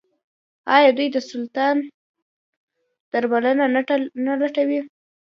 آیا دوی د سرطان درملنه نه لټوي؟